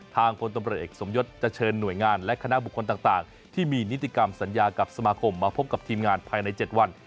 พลตำรวจเอกสมยศจะเชิญหน่วยงานและคณะบุคคลต่างที่มีนิติกรรมสัญญากับสมาคมมาพบกับทีมงานภายใน๗วัน